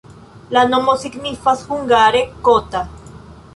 La nomo signifas hungare kota.